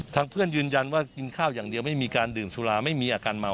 เพื่อนยืนยันว่ากินข้าวอย่างเดียวไม่มีการดื่มสุราไม่มีอาการเมา